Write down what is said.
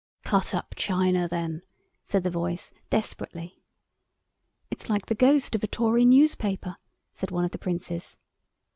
"Cut up China, then!" said the voice, desperately. "It's like the ghost of a Tory newspaper," said one of the Princes.